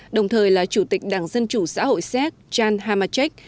đồng thời là chủ tịch đảng dân chủ xã hội xếp jan hamacek